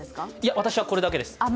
私はこれだけです。